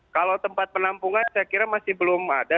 kalau tempat penampungan saya kira masih belum ada